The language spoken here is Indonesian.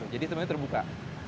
jadi semuanya terbuka